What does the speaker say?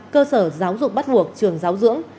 cơ sở giáo dục bắt buộc trường giáo dưỡng